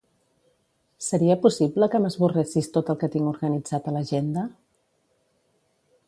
Seria possible que m'esborressis tot el que tinc organitzat a l'agenda?